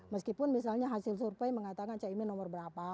meskipun misalnya hasil survei mengatakan cah imin nomor berapa